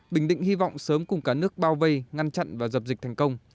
bình định hy vọng sớm cùng cả nước bao vây ngăn chặn và dập dịch thành công